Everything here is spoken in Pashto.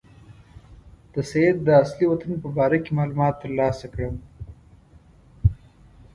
د سید د اصلي وطن په باره کې معلومات ترلاسه کړم.